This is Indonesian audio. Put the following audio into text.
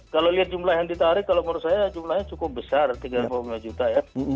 kalau lihat jumlah yang ditarik kalau menurut saya jumlahnya cukup besar rp tiga ratus empat puluh lima juta ya